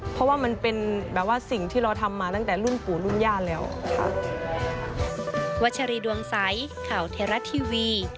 เพราะว่ามันเป็นแบบว่าสิ่งที่เราทำมาตั้งแต่รุ่นปู่รุ่นย่าแล้วค่ะ